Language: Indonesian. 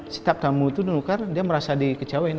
setiap tamu itu menukar dia merasa dikecauin